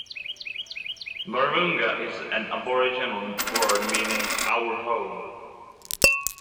Wahroonga is an Aboriginal word meaning "our home".